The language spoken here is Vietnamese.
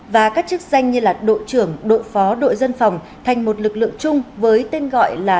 và các chức danh như đội trưởng đội phó đội dân phòng thành một lực lượng chung với tên gọi là